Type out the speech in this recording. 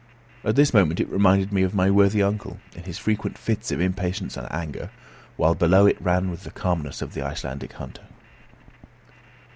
At this moment it reminded me of my worthy uncle, in his frequent fits of impatience and anger, while below it ran with the calmness of the Icelandic hunter.